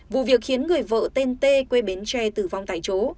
vụ việc khiến người vợ tên t quê bến tre tử vong tại chỗ